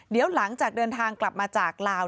เดี๋ยวหลังจากเดินทางกลับมาจากลาว